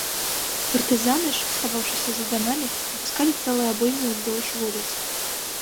Партызаны ж, схаваўшыся за дамамі, выпускалі цэлыя абоймы ўздоўж вуліц.